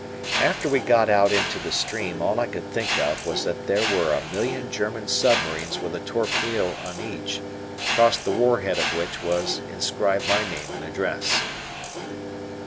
After we got out into the stream all I could think of was that there were a million German submarines with a torpedo on each, across the warhead of which was inscribed my name and address.